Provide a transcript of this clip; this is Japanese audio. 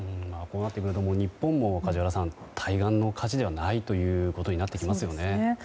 こうなってくると日本も対岸の火事ではないということになってきますよね。